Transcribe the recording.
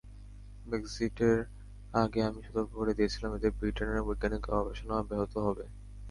ব্রেক্সিটের আগে আমি সতর্ক করে দিয়েছিলাম, এতে ব্রিটেনের বৈজ্ঞানিক গবেষণা ব্যাহত হবে।